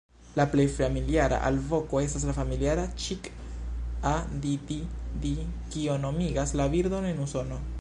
La plej familiara alvoko estas la familiara "ĉik-a-di-di-di" kio nomigas la birdon en Usono.